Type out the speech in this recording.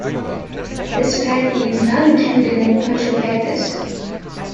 This pathi is not included in Pancha pathis.